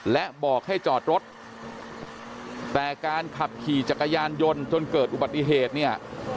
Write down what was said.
และบอกให้จอดรถแต่การขับขี่จักรยานยนต์จนเกิดอุบัติเหตุเนี่ย